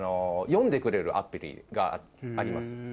読んでくれるアプリがあります。